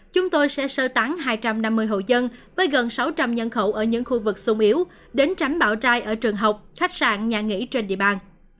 chúng tôi sẽ sơ tán hai trăm năm mươi hộ dân với gần sáu trăm linh nhân khẩu ở những khu vực sung yếu đến tránh bão trai ở trường học khách sạn nhà nghỉ trên địa bàn